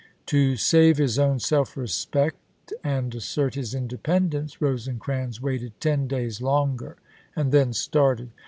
To save his own self respect rad. and assert his independence, Rosecrans waited ten days longer, and then started.